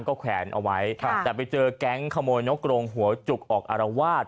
ก็แขวนเอาไว้แต่ไปเจอแก๊งขโมยนกกรงหัวจุกออกอารวาส